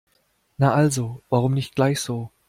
Na also, warum nicht gleich so?